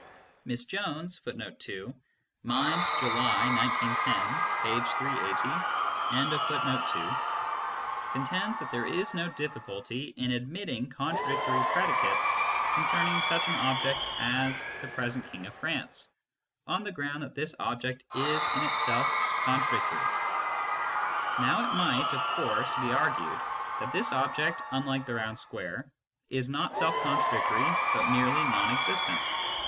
Miss Jones 2 contends that there is no difficulty in admit ting^, contradictory predicates concerning such an object as (Jthe present King of France, ! on the ground that this object is in itself contradictory. ""Now it might, of course, be argued that this object, unlike the round square, is not self contradictory, but merely non existent.